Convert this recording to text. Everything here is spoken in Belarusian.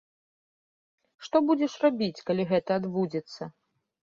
Што будзеш рабіць, калі гэта адбудзецца?